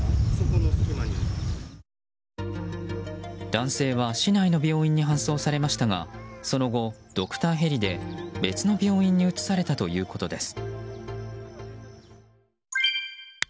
男性は市内の病院に搬送されましたがその後ドクターヘリで別の病院に移されたということです。